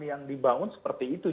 yang dibangun seperti itu